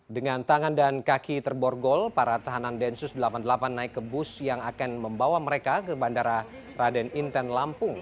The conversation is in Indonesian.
dengan tangan dan kaki terborgol para tahanan densus delapan puluh delapan naik ke bus yang akan membawa mereka ke bandara raden inten lampung